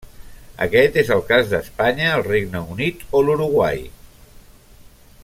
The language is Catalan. Aquest és el cas d'Espanya, el Regne Unit o l'Uruguai.